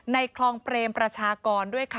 ในคลองเปรมประชากรด้วยค่ะ